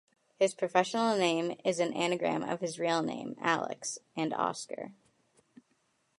His professional name is an anagram of his real name, 'Alex', and 'Oscar'.